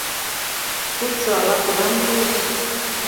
Судшо ала-кунам лиеш?